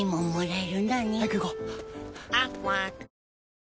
え．．．